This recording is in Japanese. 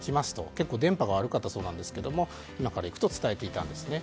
結構電波が悪かったそうなんですが今から行くと伝えていたんです。